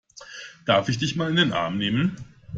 Darf ich dich mal in den Arm nehmen?